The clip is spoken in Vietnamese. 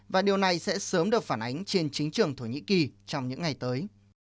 và điều này sẽ sớm được phản ánh trên chính trường thổ nhĩ kỳ trong những ngày tới